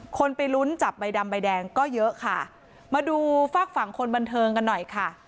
คนไปลุ้นจับใบดำใบแดงก็เยอะค่ะมาดูฝากฝั่งคนบันเทิงกันหน่อยค่ะ